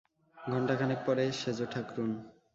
ঘণ্টা খানেক পরে, সেজ ঠাকরুন।